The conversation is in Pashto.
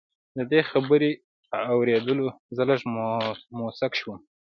د دې خبرې په اورېدو زه لږ موسک شوم